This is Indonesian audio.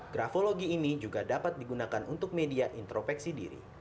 grafologi ini juga dapat digunakan untuk media intropeksi diri